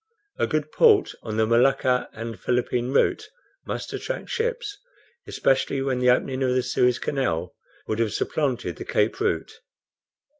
A good port on the Molucca and Philippine route must attract ships, especially when the opening of the Suez Canal would have supplanted the Cape route.